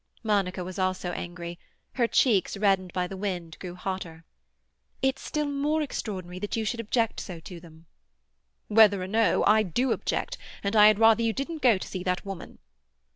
Monica also was angry; her cheeks, reddened by the wind, grew hotter. "It's still more extraordinary that you should object so to them." "Whether or no—I do object, and I had rather you didn't go to see that woman."